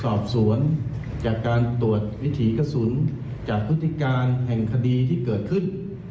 สอบสวนจากการตรวจวิถีกระสุนจากพฤติการแห่งคดีที่เกิดขึ้น